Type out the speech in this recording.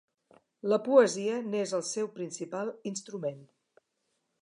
La poesia n'és el seu principal instrument.